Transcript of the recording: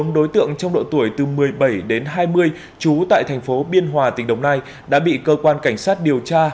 bốn đối tượng trong độ tuổi từ một mươi bảy đến hai mươi trú tại thành phố biên hòa tỉnh đồng nai đã bị cơ quan cảnh sát điều tra